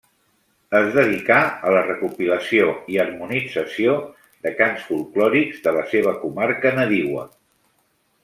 Es dedicà a la recopilació i harmonització de cants folklòrics de la seva comarca nadiua.